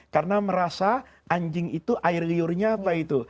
karena merasa anjing itu air liurnya apa itu